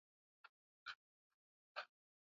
anataka umoja wa mataifa kuingilia kati suala hilo